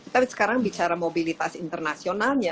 tapi sekarang bicara mobilitas internasionalnya